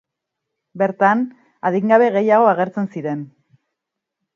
Bertan, adingabe gehiago agertzen ziren.